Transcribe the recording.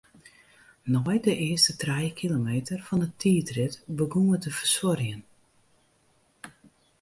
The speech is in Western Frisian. Nei de earste trije kilometer fan 'e tiidrit begûn er te fersuorjen.